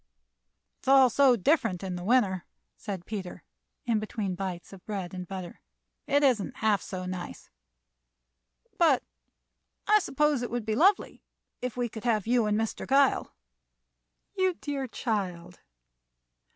"It's all so different in the winter," said Peter, in between bites of bread and butter. "It isn't half so nice, but I suppose it would be lovely if we could have you and Mr. Gile " "You dear child!"